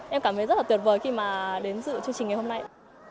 em cảm thấy rất là tuyệt vời khi mà đến dự chương trình ngày hôm nay